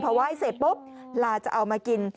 ไหว้เสร็จปุ๊บลาจะเอามากิน